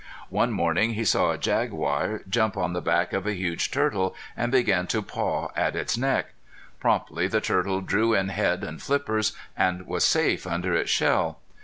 One morning he saw a jaguar jump on the back of a huge turtle, and begin to paw at its neck. Promptly the turtle drew in head and flippers, and was safe under its shell.